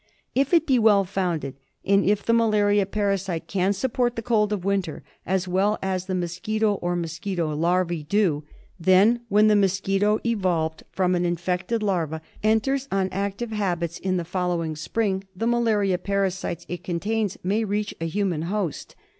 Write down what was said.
If it be well founded, and if the malaria parasite can support the cold of winter as well as the mosquito or mosquito larva do, then when the mosquito, evolved from an infected ^ OF THE UNIVERSITY Io6 MALARIA. larva, enters on active habits in the following spring, the malaria parasites it contains may reach a human host.